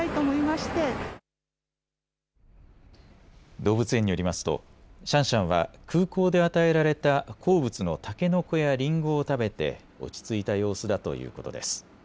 動物園によりますとシャンシャンは空港で与えられた好物のタケノコやリンゴを食べて落ち着いた様子だということです。